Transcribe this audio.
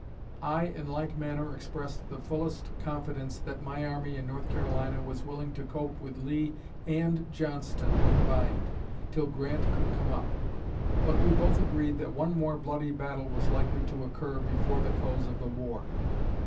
I in like manner expressed the fullest confidence that my army in North Carolina was willing to cope with Lee and Johnston combined, till Grant could come up. But we both agreed that one more bloody battle was likely to occur before the close of the war.